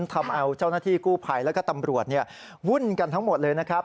ทำเอาเจ้าหน้าที่กู้ภัยแล้วก็ตำรวจวุ่นกันทั้งหมดเลยนะครับ